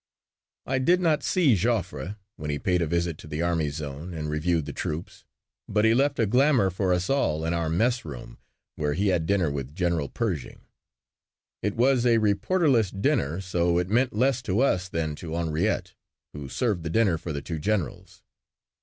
I did not see Joffre when he paid a visit to the army zone and reviewed the troops but he left a glamor for us all in our messroom where he had dinner with General Pershing. It was a reporterless dinner so it meant less to us than to Henriette who served the dinner for the two generals.